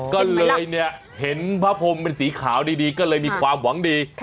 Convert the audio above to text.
ก็เลยเนี่ยเห็นพระพรมเป็นสีขาวดีก็เลยมีความหวังดี